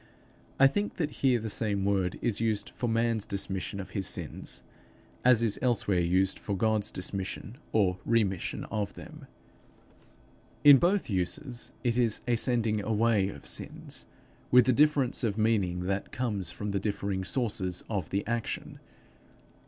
I think that here the same word is used for man's dismission of his sins, as is elsewhere used for God's dismission or remission of them. In both uses, it is a sending away of sins, with the difference of meaning that comes from the differing sources of the action.